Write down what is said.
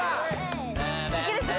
いけるでしょ？